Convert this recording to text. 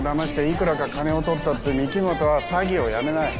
いくらか金を取ったって御木本は詐欺をやめない